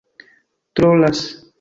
trolas